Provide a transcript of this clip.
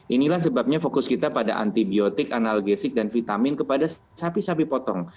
inilah sebabnya fokus kita pada antibiotik analgesik dan vitamin kepada sapi sapi potong